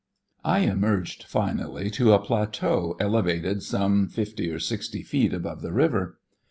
I emerged finally to a plateau elevated some fifty or sixty feet above the river.